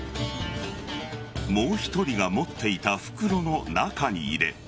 もう１人が持っていた袋の中に入れ